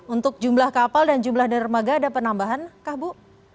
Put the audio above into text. untuk jumlah kapal dan jumlah dermaga ada penambahan kah bu